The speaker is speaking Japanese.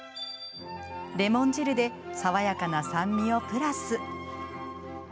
レモン汁で爽やかな酸味をプラス。